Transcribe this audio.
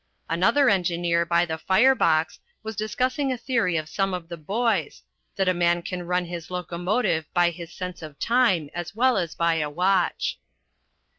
Another engineer by the fire box was discussing a theory of some of the boys, that a man can run his locomotive by his sense of time as well as by a watch.